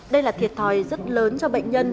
đây là thiệt thòi rất lớn cho bệnh nhân